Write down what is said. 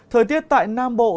thời tiết tại nam bộ